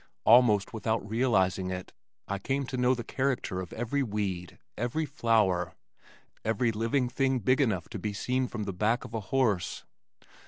Almost without realizing it, I came to know the character of every weed, every flower, every living thing big enough to be seen from the back of a horse.